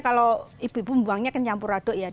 kalau ibu ibu buangnya ke campur aduk